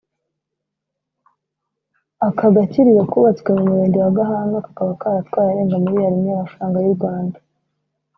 Aka gakiriro kubatswe mu Murenge wa Gahanga kakaba karatwaye arenga miliyari imwe y’amafaranga y’u Rwanda